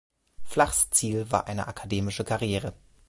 Flachs Ziel war eine akademische Karriere.